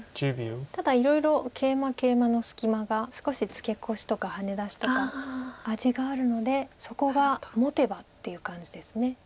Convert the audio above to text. ただいろいろケイマケイマの隙間が少しツケコシとかハネ出しとか味があるのでそこがもてばっていう感じです。